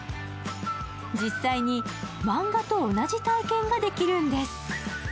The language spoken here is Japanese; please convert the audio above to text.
実際にマンガと同じ体験ができるんです。